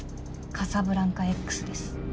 カサブランカＸです。